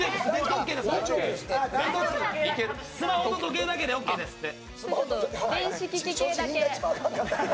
スマホと時計だけでオッケーですって。